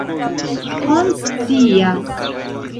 konscias